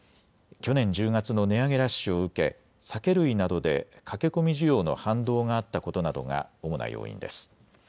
去年１０月の値上げラッシュを受け、酒類などで駆け込み需要の反動があったことなどが主な要因です。